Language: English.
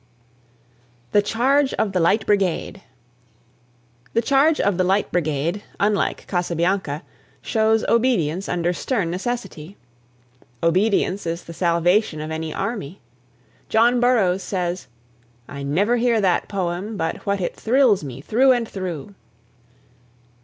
THE CHARGE OF THE LIGHT BRIGADE. "The Charge of the Light Brigade" (1809 92) unlike "Casabianca" shows obedience under stern necessity. Obedience is the salvation of any army. John Burroughs says: "I never hear that poem but what it thrills me through and through."